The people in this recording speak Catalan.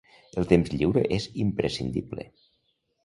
El temps lliure és imprescindible.